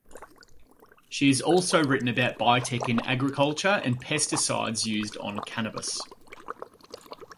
She has also written about biotech in agriculture and pesticides used on cannabis.